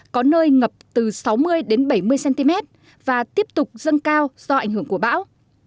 có nơi ngập từ sáu mươi đến bảy mươi cm và tiếp tục dâng cao do ảnh hưởng của bão